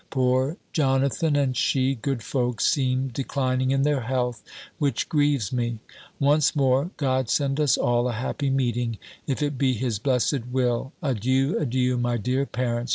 Poor Jonathan, and she, good folks! seem declining in their health, which grieves me. Once more, God send us all a happy meeting, if it be his blessed will! Adieu, adieu, my dear parents!